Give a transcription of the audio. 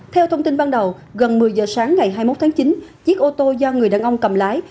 theo thông tin ban đầu gần một mươi giờ sáng ngày hai mươi một tháng chín chiếc ô tô do người đàn ông cầm lái